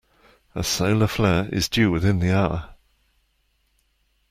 A solar flare is due within the hour.